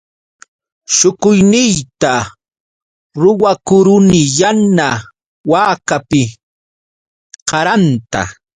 Shukuyniyta ruwakuruni yana wakapi qaranta.